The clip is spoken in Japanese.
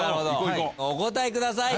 お答えください。